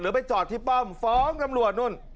ไปจอดที่ป้อมฟ้องตำรวจนู่น